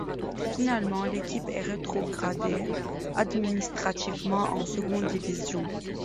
Finalement l'équipe est rétrogradée administrativement en seconde division.